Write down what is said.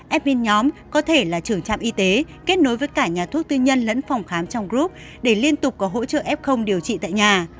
fin nhóm có thể là trưởng trạm y tế kết nối với cả nhà thuốc tư nhân lẫn phòng khám trong group để liên tục có hỗ trợ f điều trị tại nhà